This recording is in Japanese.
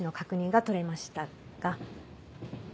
が？